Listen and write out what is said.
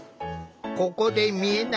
ここで見えない